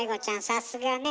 さすがね。